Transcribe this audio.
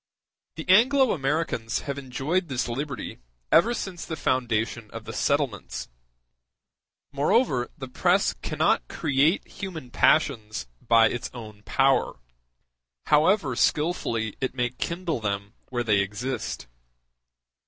The Anglo Americans have enjoyed this liberty ever since the foundation of the settlements; moreover, the press cannot create human passions by its own power, however skillfully it may kindle them where they exist.